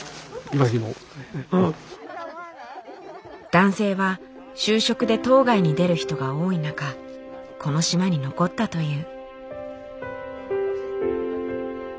男性は就職で島外に出る人が多い中この島に残ったという。